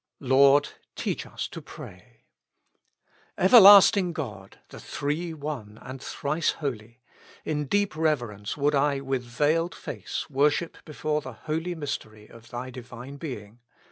"Lord, teach us to pray." Everlasting God ! the Three One and Thrice Holy! in deep reverence would I with veiled face worship before the holy mystery of Thy Divine Being.